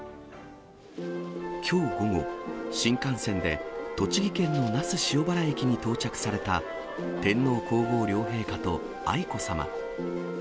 きょう午後、新幹線で栃木県の那須塩原駅に到着された天皇皇后両陛下と愛子さま。